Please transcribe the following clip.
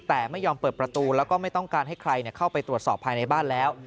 แต่ไม่ยอมเปิดประตูแล้วก็ไม่ต้องการให้ใครเข้าไปตรวจสอบภายในบ้านแล้ว